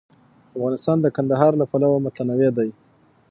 افغانستان د کندهار له پلوه متنوع دی.